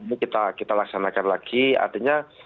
ini kita laksanakan lagi artinya